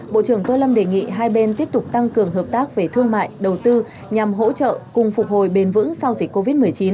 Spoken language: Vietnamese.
bộ trưởng tô lâm đề nghị hai bên tiếp tục tăng cường hợp tác về thương mại đầu tư nhằm hỗ trợ cùng phục hồi bền vững sau dịch covid một mươi chín